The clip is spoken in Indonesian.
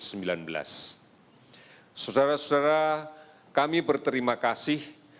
saudara saudara kami berterima kasih